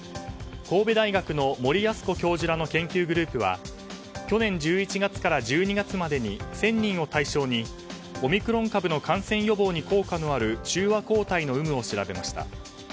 神戸大学の森康子教授らの研究グループは去年１１月から１２月までに１０００人を対象にオミクロン株の感染予防に効果のある中和抗体の有無を調べました。